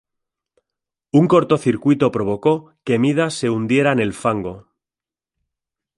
Un cortocircuito provocó que Midas se hundiera en el fango.